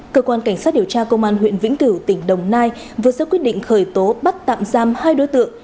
cơ quan cảnh sát điều tra công an huyện vĩnh cửu tỉnh đồng nai vừa ra quyết định khởi tố bắt tạm giam hai đối tượng